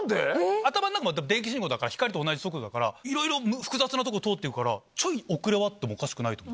頭の中も電気信号だから光と同じ速度だからいろいろ複雑なとこ通って行くからちょい遅れはあってもおかしくないと思う。